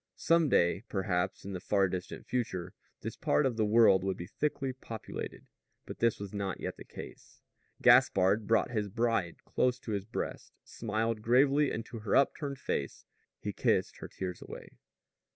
Some day, perhaps, in the far distant future, this part of the world would be thickly populated. But this was not yet the case. Gaspard brought his bride close to his breast, smiled gravely into her upturned face. He kissed her tears away.